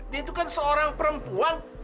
dia itu kan seorang perempuan